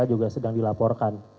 juga sedang dilaporkan